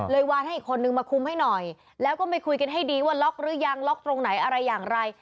วานให้อีกคนนึงมาคุมให้หน่อยแล้วก็ไม่คุยกันให้ดีว่าล็อกหรือยังล็อกตรงไหนอะไรอย่างไร